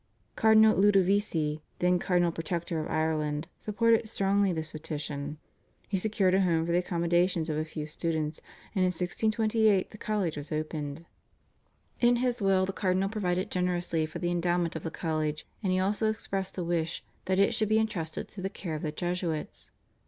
Cardinal Ludovisi, then Cardinal Protector of Ireland, supported strongly this petition. He secured a house for the accommodation of a few students, and in 1628 the college was opened. In his will the Cardinal provided generously for the endowment of the college, and he also expressed a wish that it should be entrusted to the care of the Jesuits.